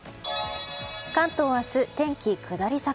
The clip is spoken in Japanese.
関東明日、天気下り坂。